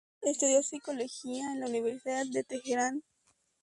Estudió psicología en la Universidad de Teherán.